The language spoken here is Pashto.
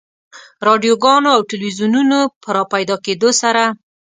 رادیوګانو او تلویزیونونو په راپیدا کېدو سره.